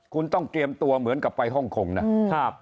คุณต้องเตรียมตัวเหมือนกับไปฮ่องคงนะครับ